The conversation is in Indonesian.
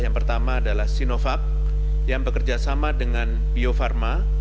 yang pertama adalah sinovac yang bekerjasama dengan bio farma